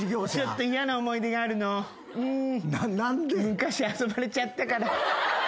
昔遊ばれちゃったから。